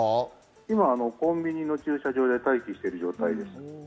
今コンビニの駐車場で待機してる状態です。